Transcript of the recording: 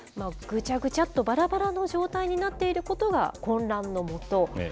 ぐちゃぐちゃっとばらばらの状態になっていることが混乱のもと。